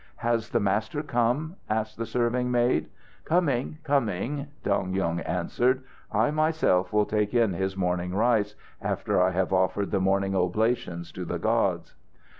"Has the master come?" asked the serving maid. "Coming, coming," Dong Yung answered, "I myself will take in his morning rice, after I have offered the morning oblations to the gods."